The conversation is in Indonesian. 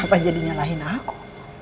kenapa jadinya nyalahin aku